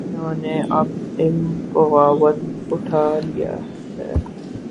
انہوں نے اب علم بغاوت اٹھا لیا ہے۔